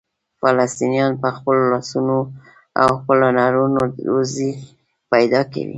فلسطینیان په خپلو لاسونو او خپلو هنرونو روزي پیدا کوي.